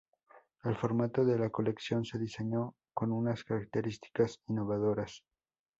El formato de la colección se diseñó con unas características innovadoras.